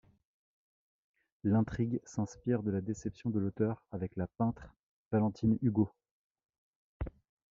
L'intrigue s'inspire de la déception de l'auteur avec la peintre Valentine Hugo.